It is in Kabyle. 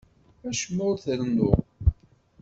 Acemma ur t-rennuɣ.